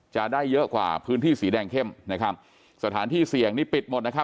จะได้เยอะกว่าพื้นที่สีแดงเข้มนะครับสถานที่เสี่ยงนี่ปิดหมดนะครับ